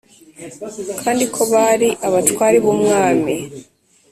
kandi ko bari abatware b'umwami.